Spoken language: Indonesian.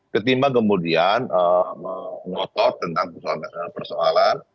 ketimbang kemudian mengotot tentang persoalan